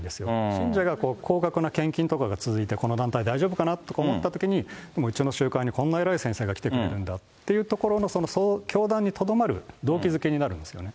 信者が高額な献金とかが続いて、この団体、大丈夫かなって思ったときに、うちの集会にこんな偉い先生が来てくれるんだっていうところのその教団にとどまる動機づけになるんですよね。